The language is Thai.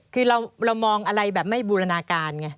คือเรามองอะไรแบบไม่บูรณาการไง